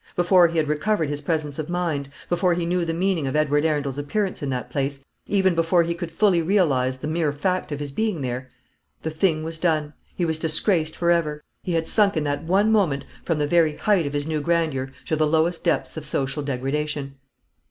Before he had recovered his presence of mind; before he knew the meaning of Edward Arundel's appearance in that place; even before he could fully realise the mere fact of his being there, the thing was done; he was disgraced for ever. He had sunk in that one moment from the very height of his new grandeur to the lowest depth of social degradation.